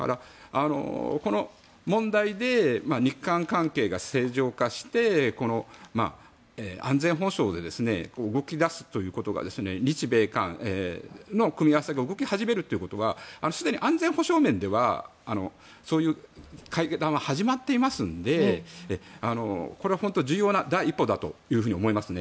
この問題で日韓関係が正常化して安全保障で動き出すということが日米韓の組み合わせが動き始めるということはすでに安全保障面ではそういう会談は始まっていますのでこれは本当に重要な第一歩だと思いますね。